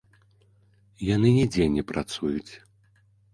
Яны нідзе не працуюць.